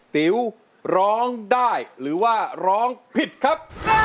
ติ๋วร้องได้หรือว่าร้องผิดครับ